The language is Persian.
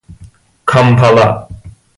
کامپالا